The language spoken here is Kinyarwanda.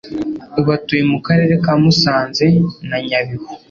Ubu atuye mu Karere ka Musanze na Nyabihu